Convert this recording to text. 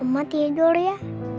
ma tidur ya